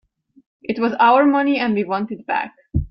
It was our money and we want it back.